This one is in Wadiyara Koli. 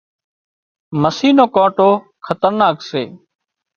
مسِي نو ڪانٽو خطرناڪ سي